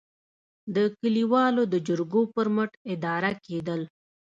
د کلیوالو د جرګو پر مټ اداره کېدل.